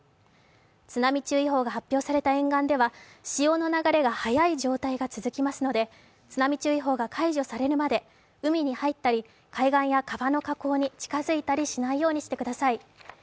津波注意報が発表された沿岸では、潮の流れが速い状態が続きますので津波注意報が解除されるまで海に入ったり、海岸や川の河口に近づいたりしないようにしてください。